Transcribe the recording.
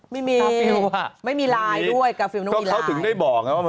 ไม่มีไม่มีลายด้วยกาฟิลล์น้องมีลายกาฟิลล์น้องมีลาย